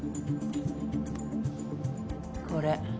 これ。